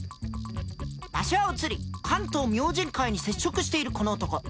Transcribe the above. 場所は移り関東明神会に接触しているこの男。